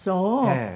ええ。